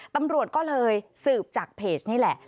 ตำรวจก็เลยสืบจากเพจนี่แหละ